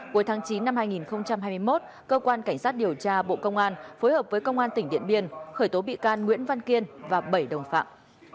cuối tháng chín năm hai nghìn hai mươi một cơ quan cảnh sát điều tra bộ công an phối hợp với công an tỉnh điện biên khởi tố bị can nguyễn văn kiên và bảy đồng phạm